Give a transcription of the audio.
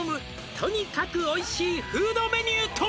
「とにかくおいしいフードメニューとは」